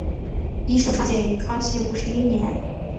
一说创建于康熙五十一年。